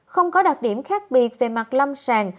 không có đặc điểm khác biệt về mặt lâm sàng